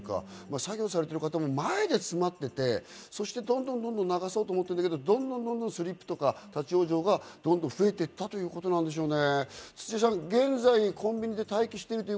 作業されている方も前が詰まっていて、どんどん流そうと思ったけれど、どんどんスリップとか立ち往生が増えていったということなんでしょうね。